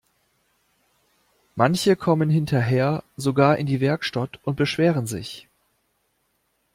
Manche kommen hinterher sogar in die Werkstatt und beschweren sich.